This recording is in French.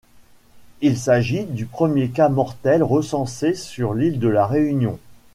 Il s'agit du premier cas mortel recensé sur l'île de La Réunion.